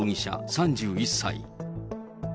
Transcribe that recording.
３１歳。